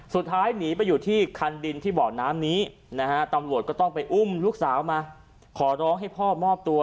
สุดท้ายหนีไปอยู่ที่คันดินที่เบาะน้ำนี้นะฮะตำรวจก็ต้องไปอุ้มลูกสาวมาขอร้องให้พ่อมอบตัว